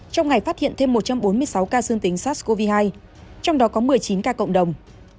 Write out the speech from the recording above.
trong ngày phát hiện thêm một trăm bốn mươi sáu ca dương tính sars cov hai trong đó có một mươi chín ca cộng đồng